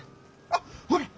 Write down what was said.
あっほれ。